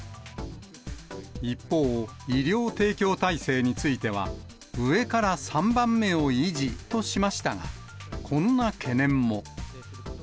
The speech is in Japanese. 一方、医療提供体制については、上から３番目を維持としましたが、こんな懸念も。